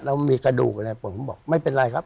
แล้วมีกระดูกอะไรผมก็บอกไม่เป็นไรครับ